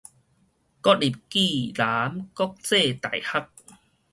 國立暨南國際大學